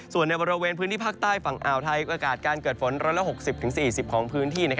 ส่วนในบริเวณพื้นที่ภาคใต้ฝั่งอ่าวไทยโอกาสการเกิดฝน๑๖๐๔๐ของพื้นที่